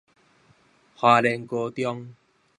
花蓮高中